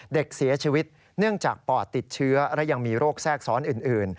เด็กเสียชีวิตเนื่องจากปอดติดเชื้อและยังมีโรคแทรกซ้อนอื่น